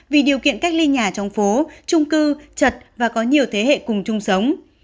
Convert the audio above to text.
vì điều kiện cách ly nhà trong phố trung cư chật và có nhiều thế hệ cùng chung sống